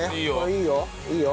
いいよいいよ。